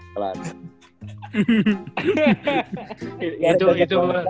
tuker sama satu lebron dah lah